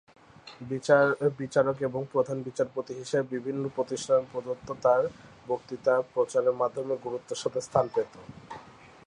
বিচারক এবং প্রধান বিচারপতি হিসেবে বিভিন্ন অনুষ্ঠানে প্রদত্ত তার বক্তৃতা প্রচার মাধ্যমে গুরুত্বের সাথে স্থান পেত।